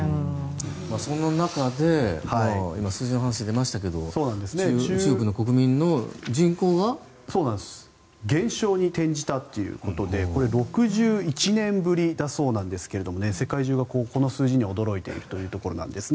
その中で今、数字の話が出ましたが減少に転じたということでこれは６１年ぶりだそうなんですが世界中がこの数字には驚いているというところなんですね。